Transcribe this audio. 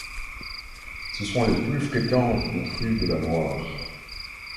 Ce sont les plus fréquentes des crues de la Loire.